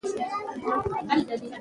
دا په چا باندي اختر دی خداي خبر دی